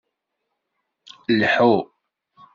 Lḥu.